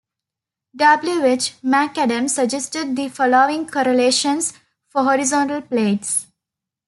W. H. McAdams suggested the following correlations for horizontal plates.